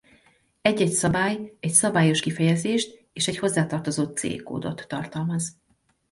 Egy-egy szabály egy szabályos kifejezést és egy hozzá tartozó C kódot tartalmaz.